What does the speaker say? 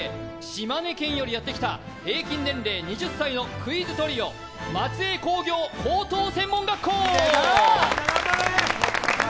島根県よりやってきた平均年齢２０歳のクイズトリオ松江工業高等専門学校！